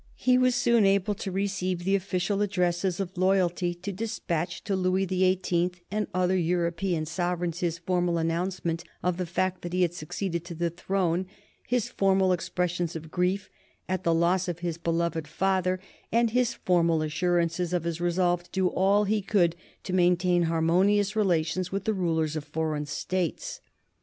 He was soon able to receive the official addresses of loyalty, to despatch to Louis the Eighteenth and other European sovereigns his formal announcement of the fact that he had succeeded to the throne, his formal expressions of grief at the loss of his beloved father, and his formal assurances of his resolve to do all he could to maintain harmonious relations with the rulers of foreign States.